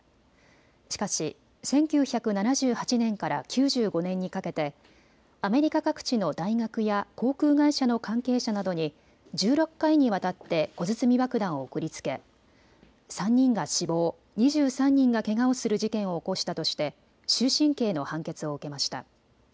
しかし１９７８年から９５年にかけてアメリカ各地の大学や航空会社の関係者などに１６回にわたって小包爆弾を送りつけ３人が死亡、２３人がけがをする事件を起こしたとして終身刑の判決を受けました。